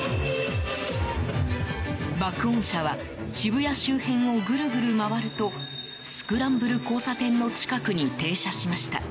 爆音車は渋谷周辺をぐるぐる回るとスクランブル交差点の近くに停車しました。